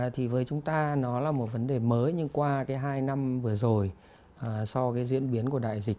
thì với chúng ta nó là một vấn đề mới nhưng qua cái hai năm vừa rồi do cái diễn biến của đại dịch